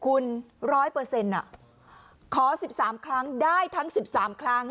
คุณร้อยเปอร์เซ็นต์อ่ะขอสิบสามครั้งได้ทั้งสิบสามครั้ง